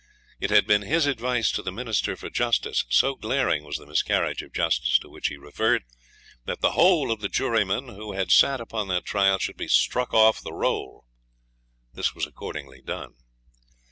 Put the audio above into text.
It had been his advice to the Minister for Justice, so glaring was the miscarriage of justice to which he referred, that the whole of the jurymen who had sat upon that trial should be struck off the roll. This was accordingly done.